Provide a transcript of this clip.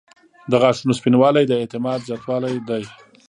• د غاښونو سپینوالی د اعتماد زیاتوالی دی.